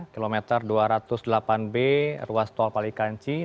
kilometer dua ratus delapan b ruas tol palikan ciri